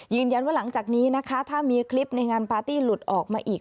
หลังจากนี้นะคะถ้ามีคลิปในงานปาร์ตี้หลุดออกมาอีก